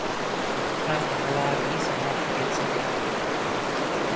After pilates, I’m off to get some cake.